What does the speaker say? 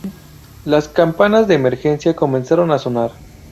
Las campanas de emergencia comenzaron a sonar.